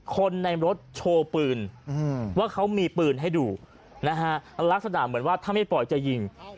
คนในรถโชว์ปืนว่าเขามีปืนให้ดูนะฮะลักษณะเหมือนว่าถ้าไม่ปล่อยจะยิง